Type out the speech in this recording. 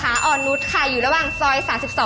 อันนุชค่ะอยู่ระหว่างซอย๓๒๓๔